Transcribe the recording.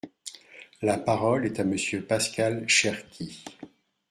La parole est à Monsieur Pascal Cherki.